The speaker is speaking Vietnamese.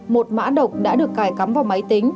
một mã độc đã được cài cắm vào máy tính